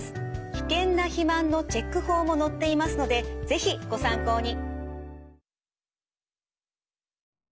危険な肥満のチェック法も載っていますので是非ご参考に。